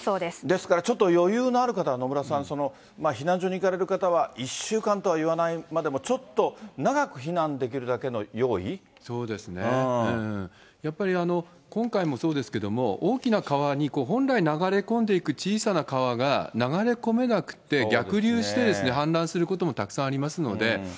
ですから、ちょっと余裕のある方は野村さん、避難所に行かれる方は１週間とはいわないまでもちょっと長く避難そうですね、やっぱり今回もそうですけれども、大きな川に本来流れ込んでいく小さな川が流れ込めなくて、逆流して氾濫することもたくさんありますので、